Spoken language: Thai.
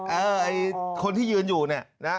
ไม่ใช่คนที่ยืนอยู่เนี่ย